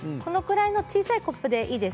小さいコップでいいです。